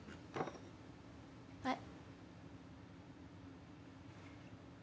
はい。